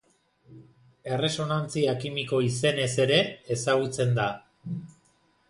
Erresonantzia kimiko izenez ere ezagutzen da.